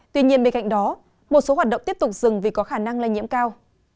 tuy nhiên bên cạnh đó một số hoạt động tiếp tục dừng vì có khả năng lây nhiễm cao